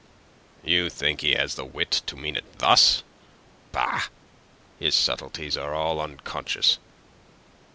"You think he has the wit to mean it thus? Bah! His subtleties are all unconscious."